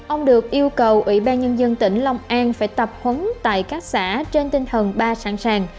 ông được yêu cầu ủy ban nhân dân tỉnh long an phải tập huấn tại các xã trên tinh thần ba sẵn sàng